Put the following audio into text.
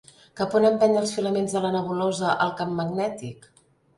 Cap on empeny els filaments de la nebulosa el camp magnètic?